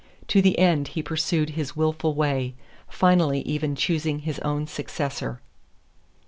To the end he pursued his willful way, finally even choosing his own successor.